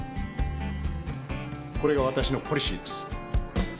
これがわたしのポリシーです。